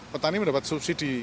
petani mendapat subsidi